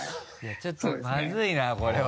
ちょっとまずいなこれは。